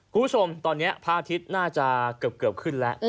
คุณผู้ชมตอนนี้พระอาทิตย์น่าจะเกือบขึ้นแล้ว